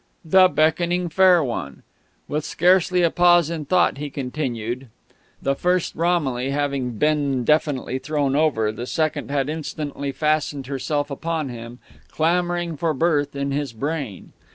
The Beckoning Fair One!... With scarcely a pause in thought he continued: The first Romilly having been definitely thrown over, the second had instantly fastened herself upon him, clamouring for birth in his brain.